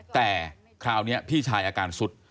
แต่คราวนี้พี่ชายอาการสุด